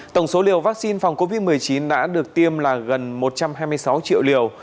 tổng số liều vaccine phòng covid một mươi chín đã được tiêm là gần một trăm hai mươi sáu triệu liều